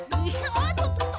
おっとっとっと！